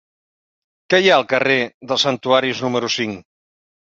Què hi ha al carrer dels Santuaris número cinc?